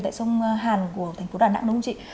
tại sông hàn của thành phố đà nẵng đúng không chị